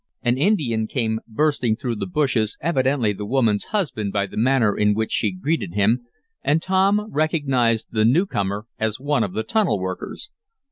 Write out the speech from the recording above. An Indian came bursting through the bushes, evidently the woman's husband by the manner in which she greeted him, and Tom recognized the newcomer as one of the tunnel workers.